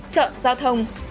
chọn giao thông